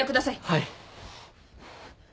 はい。